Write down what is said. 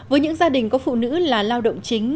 với những gia đình có phụ nữ là lao động chính